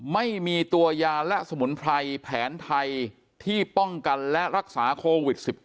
ไม่มีตัวยาและสมุนไพรแผนไทยที่ป้องกันและรักษาโควิด๑๙